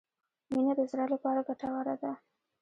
مڼه د زړه لپاره ګټوره ده.